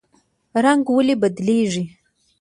رنګ ولې بدلیږي؟